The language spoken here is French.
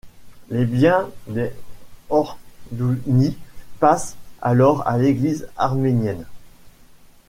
Les biens des Ordouni passent alors à l'Église arménienne.